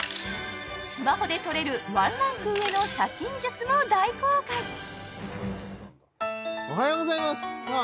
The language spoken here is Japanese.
スマホで撮れるワンランク上の写真術も大公開おはようございますさあ